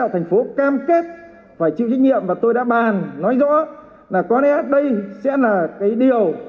thành phố cam kết phải chịu trách nhiệm và tôi đã bàn nói rõ là có lẽ đây sẽ là cái điều